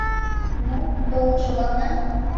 Ну, толын шогална.